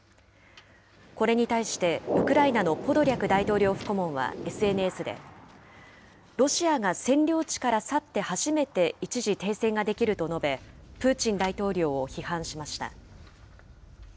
これに対してウクライナのポドリャク大統領府顧問はＳＮＳで、ロシアが占領地から去って初めて一時停戦ができると述べ、プーチン大統領を批判しました。